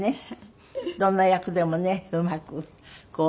どんな役でもねうまくこう。